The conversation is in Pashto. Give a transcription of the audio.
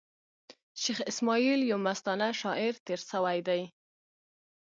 شېخ اسماعیل یو مستانه شاعر تېر سوﺉ دﺉ.